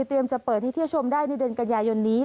จะเปิดให้เที่ยวชมได้ในเดือนกันยายนนี้